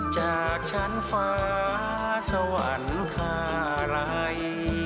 จากชั้นฟ้าสวรรค์ขาลัย